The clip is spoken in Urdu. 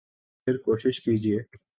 پھر کوشش کیجئے